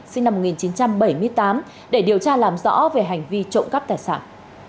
sinh năm một nghìn chín trăm bảy mươi tám để điều tra làm rõ về hành vi trộm cắp tài sản